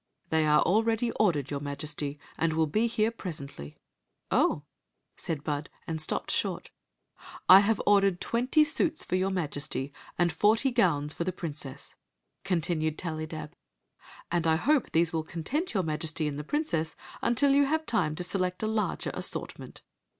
"They are already ordered, your Majesty, and will be here presently." " Oh !" said Bud, and stopped short " I have ordered twenty suits for your Majesty and forty gowns for the princess," continued Tallydab; "and I hope these will content your Majesty and the princess until you have time to select a larger assortment."